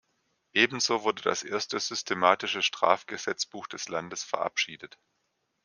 Ebenso wurde das erste systematische Strafgesetzbuch des Landes verabschiedet.